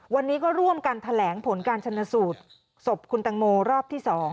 วันนี้ก็ร่วมกันแถลงผลการชนสูตรศพคุณตังโมรอบที่๒